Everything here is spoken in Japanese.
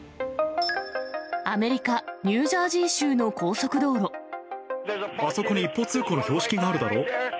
アメリカ・ニュージャージーあそこに一方通行の標識があるだろう。